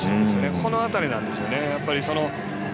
この辺りなんですよね。